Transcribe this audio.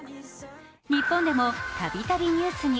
日本でもたびたびニュースに。